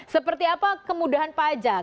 seperti apa kemudahan pajak